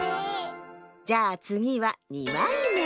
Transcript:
じゃあつぎは２まいめ。